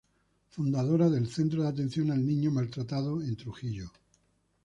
Fundadora del Centro de Atención al Niño Maltratado en Trujillo.